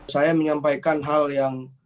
saya menyampaikan hal yang